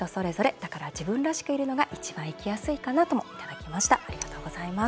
だから自分らしくいるのが一番生きやすいかなともいただきました。